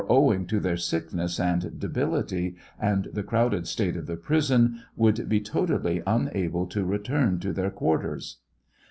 owing to their sickuess and debility and the crowded state of the prison, would be totally unable to return to their quarters.